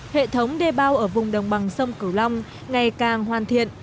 hệ thống đê bao ở vùng đồng bằng sông cửu long ngày càng hoàn thiện